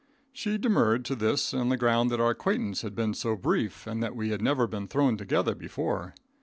She demurred to this on the ground that our acquaintance had been so brief, and that we had never been thrown together before.